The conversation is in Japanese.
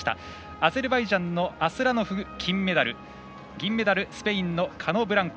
アゼルバイジャンのアスラノフ、金メダル銀メダル、スペインのカノブランコ。